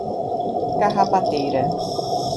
Carrapateira